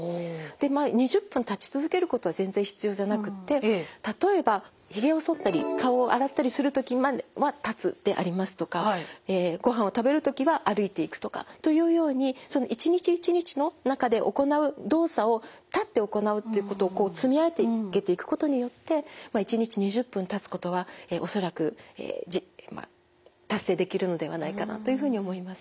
でまあ２０分立ち続けることは全然必要じゃなくって例えばひげをそったり顔を洗ったりするときまでは立つでありますとかごはんを食べるときは歩いていくとかというようにその一日一日の中で行う動作を立って行うっていうことをこう積み上げていくことによって１日２０分立つことは恐らく達成できるのではないかなというふうに思います。